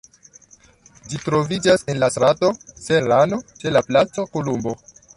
Ĝi troviĝas en la strato Serrano, ĉe la Placo Kolumbo.